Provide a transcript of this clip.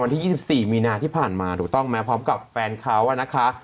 ที่๒๔มีนาที่ผ่านมาถูกต้องไหมพร้อมกับแฟนเขานะคะ